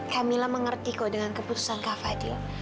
kak mila mengerti kok dengan keputusan kak fadhil